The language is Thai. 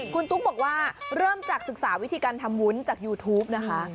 คุณตุ๊กบอกว่าเริ่มจากศึกษาวิธีการทำวุ้นจากยูทูปนะคะ